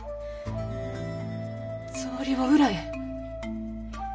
草履を裏へ。